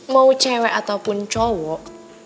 mau cewek ataupun cowok